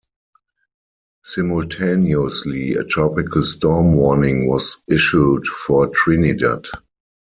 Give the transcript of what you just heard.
Simultaneously, a tropical storm warning was issued for Trinidad.